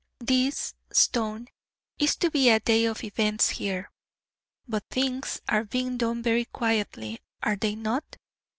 "This, Stone, is to be a day of events here. But things are being done very quietly, are they not?